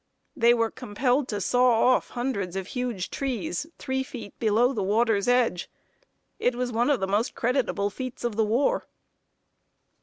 They were compelled to saw off hundreds of huge trees, three feet below the water's edge. It was one of the most creditable feats of the war.